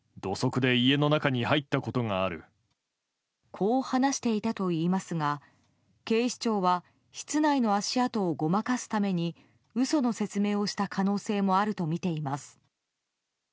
こう話していたといいますが警視庁は室内の足跡をごまかすために嘘の説明をした可能性もあるとみています。